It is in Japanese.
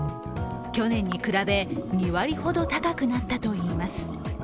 去年に比べ、２割ほど高くなったといいます。